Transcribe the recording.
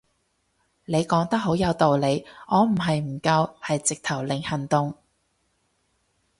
你講得好有道理，我唔係唔夠係直頭零行動